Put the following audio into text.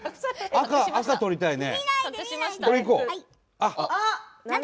赤、取りたいね。